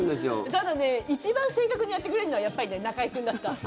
ただね一番正確にやってくれるのはやっぱり中居君だった。